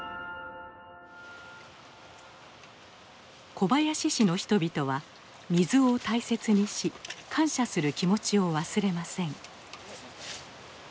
小林市の人々は水を大切にし感謝する気持ちを忘れません。